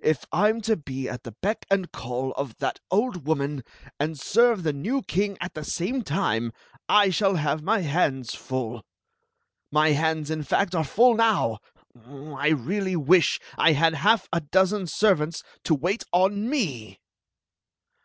If I *m to be at the beck and call of that old woman, and serve the new king at the same time, I shall have my hands full. My hands, in fact, are full now. I really wish I had half a dozen servants to wait on me!''